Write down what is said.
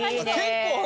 結構。